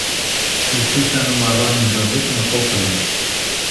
Lsisan merra n ddunit nquqlen.